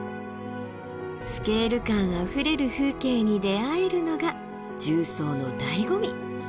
スケール感あふれる風景に出会えるのが縦走のだいご味。